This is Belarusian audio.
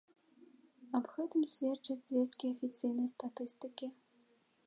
Аб гэтым сведчаць звесткі афіцыйнай статыстыкі.